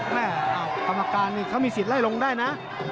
กรรมการนี่เขามีสิทธิไล่ลงได้นะ